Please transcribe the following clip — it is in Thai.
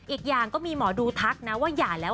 อีกอย่างก็มีหมอดูทักนะว่าหย่าแล้ว